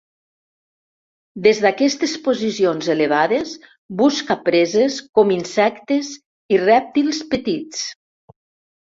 Des d'aquestes posicions elevades, busca preses com insectes i rèptils petits.